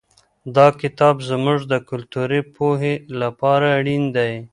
دا کتاب زموږ د کلتوري پوهې لپاره اړین دی.